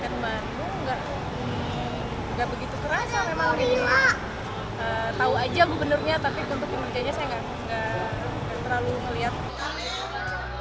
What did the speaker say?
tahu aja gubernurnya tapi untuk pemeriksaannya saya nggak terlalu melihat